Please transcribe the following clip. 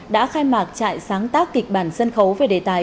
đã khai mạc trại sáng tác kịch bản sân khấu về đề tài